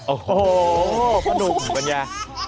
โอ้โหภาพหนุกของกัญญา